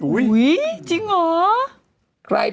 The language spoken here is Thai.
อุ๊ยจริงเหรอ